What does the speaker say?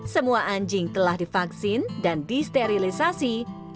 semua anjing telah divaksin dan disterilisasi